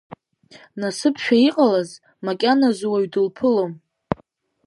Насыԥшәа иҟалаз, макьаназы уаҩ дылԥылом.